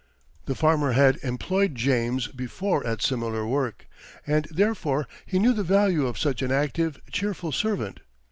The farmer had employed James before at similar work, and therefore he knew the value of such an active, cheerful servant.